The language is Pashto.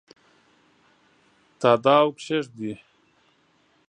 تاداو کښېږدي